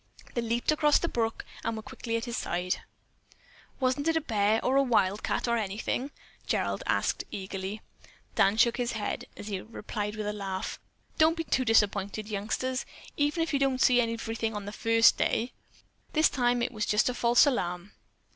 They leaped across the brook and were quickly at his side. "Wasn't it a bear, or a wildcat, or anything?" Gerald asked eagerly. Dan shook his head, as he replied with a laugh: "Don't be too disappointed, youngsters, even if you don't see everything on the first day. This time it was just a false alarm."